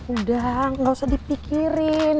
udah nggak usah dipikirin